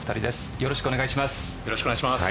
よろしくお願いします。